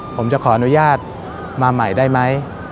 ผมจะขออนุญาตมาใหม่ได้ไหม